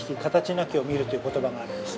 なきを視る」という言葉があるんです。